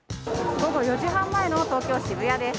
午後４時半前の東京・渋谷です。